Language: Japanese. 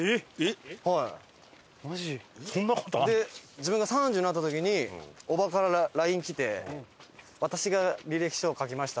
自分が３０になった時におばからＬＩＮＥきて「私が履歴書を書きました」